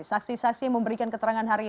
saksi saksi yang memberikan keterangan hari ini